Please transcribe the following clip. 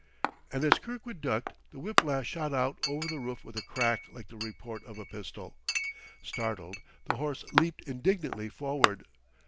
And as Kirkwood ducked, the whip lash shot out over the roof with a crack like the report of a pistol. Startled, the horse leaped indignantly forward.